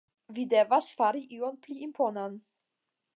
Vi devas fari ion pli imponan.